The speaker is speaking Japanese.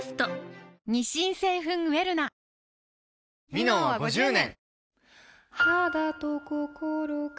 「ミノン」は５０年！